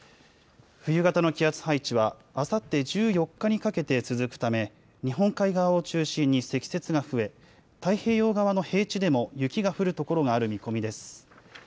冬型の気圧配置はあさって１４日にかけて続くため、日本海側を中心に積雪が増え、太平洋側の平地でも雪が降る所がある見込みです。